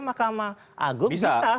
mahkamah agung bisa